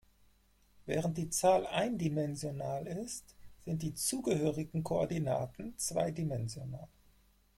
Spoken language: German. Während die Zahl eindimensional ist, sind die zugehörigen Koordinaten zweidimensional.